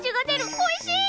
おいしい！